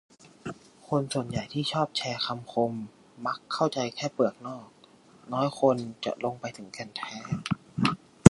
คนส่วนใหญ่ที่ชอบแชร์คำคมมักเข้าใจแค่เปลือกนอก น้อยคนจะลงไปถึงแก่นแท้